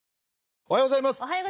おはようございます。